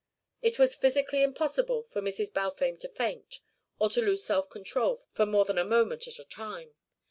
It was physically impossible for Mrs. Balfame to faint, or to lose self control for more than a moment at a time.